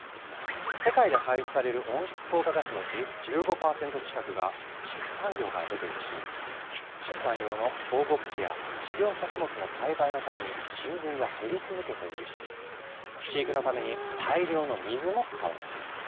世界で排出される温室効果ガスのうち１５％近くが畜産業から出ているし畜産用の放牧地や飼料作物の栽培のために森林が減り続けているし飼育のために大量の水も使われている。